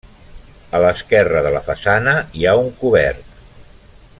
A l'esquerra de la façana hi ha un cobert.